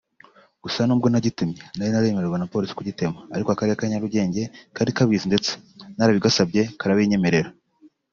gusa nubwo nagitemye nari ntaremererwa na Polisi kugitema ariko Akarere ka Nyarugenge kari Kabizi ndetse narabigasabye karabinyemerera